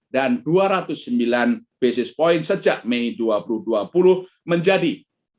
dan dua ratus sembilan basis point sejak mei dua ribu dua puluh menjadi dua tujuh puluh sembilan